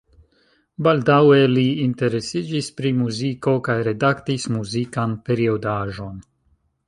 Baldaŭe li interesiĝis pri muziko kaj redaktis muzikan periodaĵon.